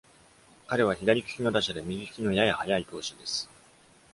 彼は左利きの打者で、右利きのやや速い投手です。